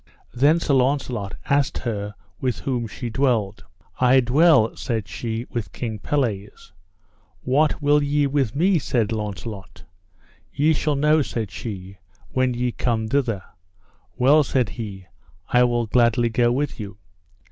Then Sir Launcelot asked her with whom she dwelled. I dwell, said she, with King Pelles. What will ye with me? said Launcelot. Ye shall know, said she, when ye come thither. Well, said he, I will gladly go with you.